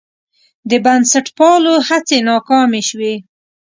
د بنسټپالو هڅې ناکامې شوې.